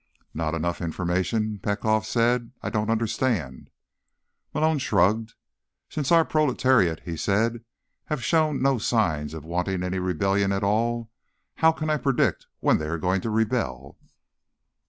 "Not enough information?" Petkoff said. "I don't understand." Malone shrugged. "Since our proletariat," he said, "have shown no sign of wanting any rebellion at all, how can I predict when they're going to rebel?"